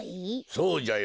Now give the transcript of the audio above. そうじゃよ。